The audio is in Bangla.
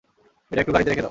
এটা একটু গাড়িতে রেখে দাও।